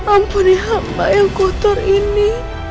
ampuni hamba yang kotor ini